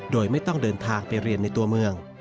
โดยไม่ต้องเดินทางไปเรียนในตัวเมือง